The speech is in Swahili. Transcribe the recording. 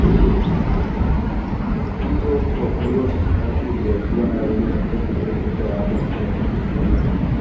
pigo kwa kuwa mikakati aliyokuwa nayo Ruge katika kuiboresha sekta ya afya nchini